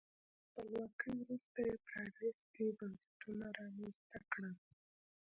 تر خپلواکۍ وروسته یې پرانیستي بنسټونه رامنځته کړل.